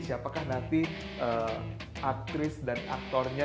siapakah nanti aktris dan aktornya